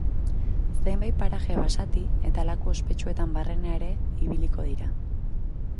Zenbait paraje basati eta laku ospetsuetan barrena ere ibiliko dira.